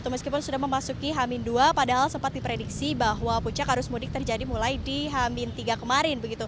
meskipun sudah memasuki hamin dua padahal sempat diprediksi bahwa puncak arus mudik terjadi mulai di hamin tiga kemarin